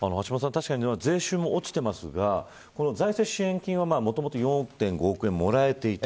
確かに税収も落ちていますが財政支援金は、もともと４．５億円もらえていた。